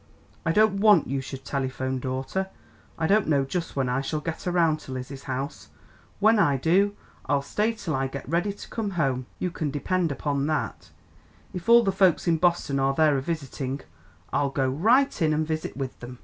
I don't want you should telephone, daughter. I don't know just when I shall get around to Lizzie's house; when I do, I'll stay till I get ready to come home, you can depend upon that, if all the folks in Boston are there a visiting. I'll go right in and visit with them.